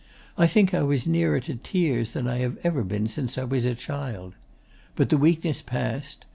I think I was nearer to tears than I had ever been since I was a child. But the weakness passed.